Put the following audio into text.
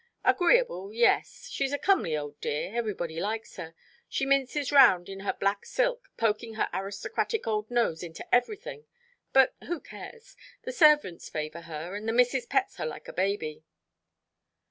"Agreeable, yes. She's a comely old dear. Everybody likes her. She minces round in her black silk, poking her aristocratic old nose into everything, but who cares? The servants favour her, and the missis pets her like a baby."